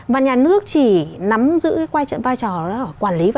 và nhà nước chỉ nắm giữ cái vai trò của quản lý văn hóa